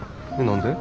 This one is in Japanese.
何で？